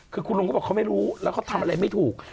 คือคุณลุงเขาบอกเขาไม่รู้แล้วเขาทำอะไรไม่ถูก